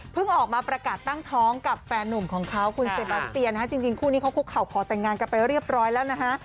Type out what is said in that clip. ออกมาประกาศตั้งท้องกับแฟนหนุ่มของเขาคุณเซบาสเตียนะฮะจริงคู่นี้เขาคุกเข่าขอแต่งงานกันไปเรียบร้อยแล้วนะฮะ